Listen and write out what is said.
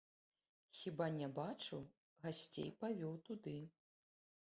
Хіба не бачыў, гасцей павёў туды.